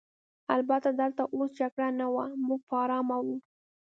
البته دلته اوس جګړه نه وه، موږ په آرامه وو.